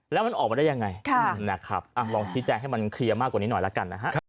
แล้วมันออกมาได้ยังไงลองทีแจงให้มันเคลียร์มากกว่านิดหน่อยแล้วกันนะครับ